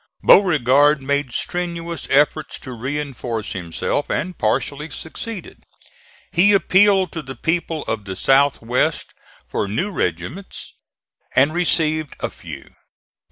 Beauregard made strenuous efforts to reinforce himself and partially succeeded. He appealed to the people of the South west for new regiments, and received a few.